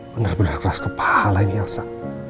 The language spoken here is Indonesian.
bener bener keras kepala ini elsa